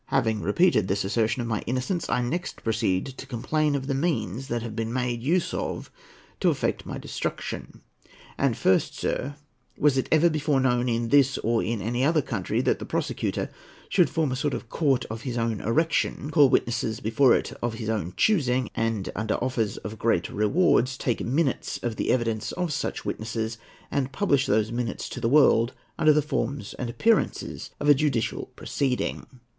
Having repeated this assertion of my innocence, I next proceed to complain of the means that have been made use of to effect my destruction. And first, sir, was it ever before known in this or in any other country, that the prosecutor should form a sort of court of his own erection, call witnesses before it of his own choosing, and, under offers of great rewards, take minutes of the evidence of such witnesses, and publish those minutes to the world under the forms and appearances of a judicial proceeding?